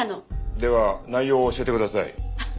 では内容を教えてください。